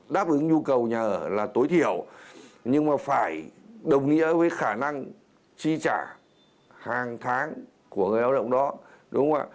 đáp ứng nhu cầu nhà ở là tối thiểu nhưng mà phải đồng nghĩa với khả năng chi trả hàng tháng của người lao động đó